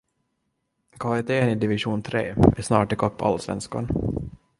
Kvaliteten i division tre är snart ikapp Allsvenskan.